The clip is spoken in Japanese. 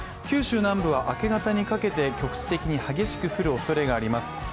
九州南部は明け方にかけて局地的に激しく降るおそれがあります。